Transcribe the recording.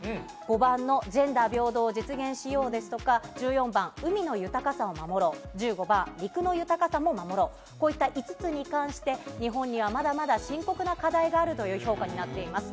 ５番のジェンダー平等を実現しようですとか、１４番、海の豊かさを守ろう、１５番、陸の豊かさも守ろう、こういった５つに関して、日本にはまだまだ深刻な課題があるという評価になっています。